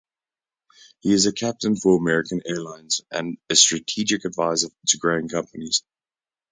He is a captain for American Airlines and a strategic advisor to growing companies.